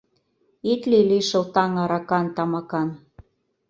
Ит лий лишыл таҥ аракан, тамакан.